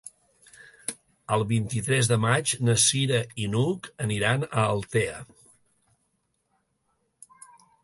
El vint-i-tres de maig na Cira i n'Hug aniran a Altea.